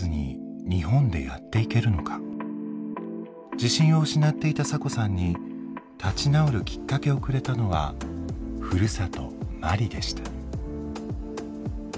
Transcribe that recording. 自信を失っていたサコさんに立ち直るきっかけをくれたのはふるさとマリでした。